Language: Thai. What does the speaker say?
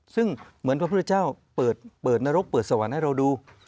ซึ่งเหมือนพระพุทธเจ้าเปิดนรกเปิดสวรรค์ให้เราดู